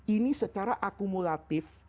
ini secara akumulatif